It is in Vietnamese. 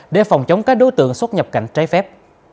để phòng chống các đối tượng xuất nhập cảnh trái phép